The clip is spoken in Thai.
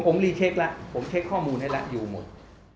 ผมรีเช็คแล้วผมเช็คข้อมูลให้แล้วอยู่หมด